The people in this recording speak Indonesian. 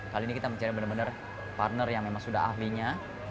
kali ini kita mencari benar benar partner yang memang sudah ahlinya